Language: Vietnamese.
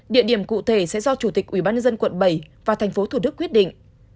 địa điểm cụ thể sẽ do chủ tịch ubnd quận bảy và tp thủ đức quyết định